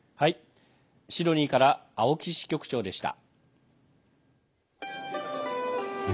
シドニーから青木支局長でした。